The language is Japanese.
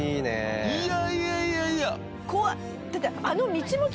いやいやいやいや！